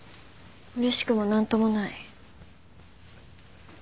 うれしくも何ともない。